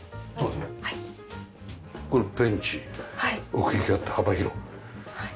奥行きがあって幅広い。